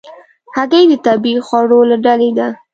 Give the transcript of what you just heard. هګۍ د طبیعي خوړو له ډلې ده.